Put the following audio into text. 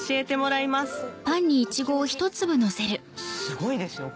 すごいですよ